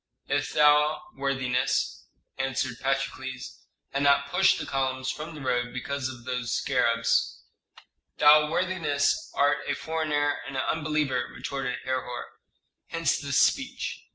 "If thou, worthiness," answered Patrokles, "had not pushed the columns from the road because of those scarabs " "Thou, worthiness, art a foreigner and an unbeliever," retorted Herhor, "hence this speech.